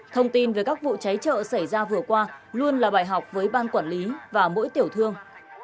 thông tin về các vụ cháy chợ xảy ra vừa qua luôn là bài học với ban quản lý và mỗi tiểu thương